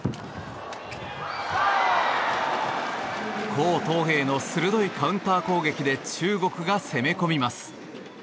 コウ・トウヘイの鋭いカウンター攻撃で中国が攻め込みます。